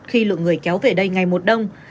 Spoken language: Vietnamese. khi lượng người kéo về đây ngày một đông